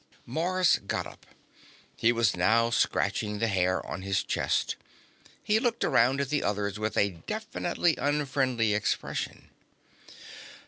Mars got up. He was now scratching the hair on his chest. He looked around at the others with a definitely unfriendly expression.